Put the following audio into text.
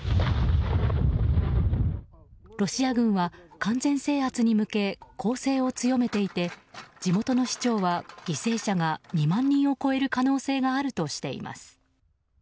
ロシア軍は、完全制圧に向け攻勢を強めていて地元の市長は犠牲者が２万人を超える可能性があるとしています。